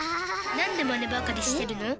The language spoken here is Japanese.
なんでマネばかりしてるの？